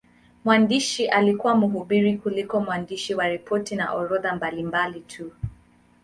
Mwandishi alikuwa mhubiri kuliko mwandishi wa ripoti na orodha mbalimbali tu.